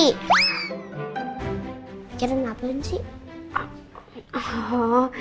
pikirin apaan sih